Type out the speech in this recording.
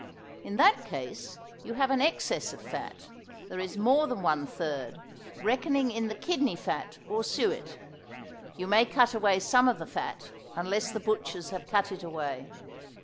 In that case you have an excess of fat; there is more than one third, reckoning in the kidney fat, or suet. You may cut away some of the fat, unless the butchers have cut it away.